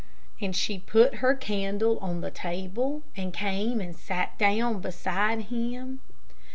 and she put her candle on the table and came and sat down beside him.